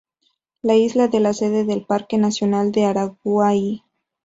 La isla es la sede del Parque nacional de Araguaia.